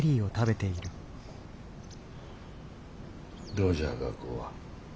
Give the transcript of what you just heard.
どうじゃ学校は。